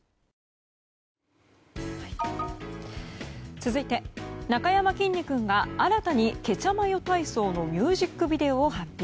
続いてなかやまきんに君が新たに「ケチャマヨ体操」のミュージックビデオを発表。